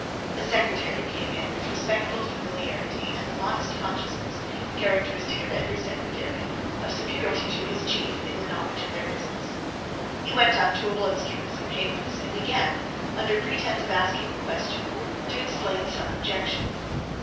A secretary came in, with respectful familiarity and the modest consciousness, characteristic of every secretary, of superiority to his chief in the knowledge of their business; he went up to Oblonsky with some papers, and began, under pretense of asking a question, to explain some objection.